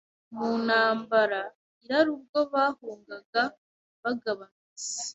muntambaraIrariUbwo bahungaga bagabanutse